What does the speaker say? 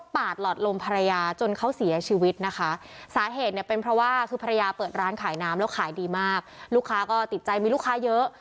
เปิดร้านขายน้ำแล้วขายดีมากลูกค้าก็ติดใจมีลูกค้าเยอะ